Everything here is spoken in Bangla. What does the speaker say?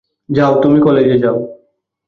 যাও, তুমি কালেজে যাও।